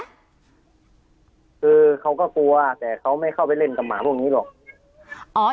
คือเขาก็กลัวแต่เขาไม่เข้าไปเล่นกับหมาพวกนี้หรอก